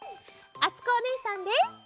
あつこおねえさんです！